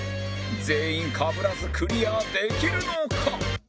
全員かぶらずクリアできるのか？